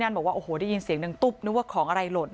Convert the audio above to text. ทั้งความถามนี่คือได้ยินเสียงเดิงตุ๊บนึกว่าของอะไรหล่น